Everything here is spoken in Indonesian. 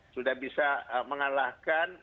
sudah bisa mengalahkan